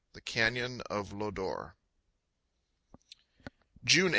THE CANYON OF LODORE. JUNE 8.